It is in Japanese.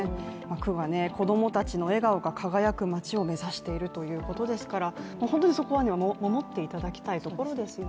区は子供たちの笑顔が輝く街を目指しているということですから本当にそこは守っていただきたいところではありますよね。